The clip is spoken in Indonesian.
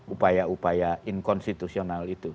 upaya upaya inkonstitusional itu